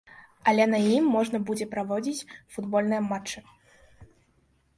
Але на ім можна будзе праводзіць футбольныя матчы.